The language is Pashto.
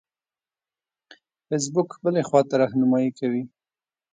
فیسبوک بلې خواته رهنمایي کوي.